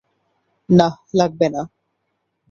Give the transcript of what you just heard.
না, লাগবেনা।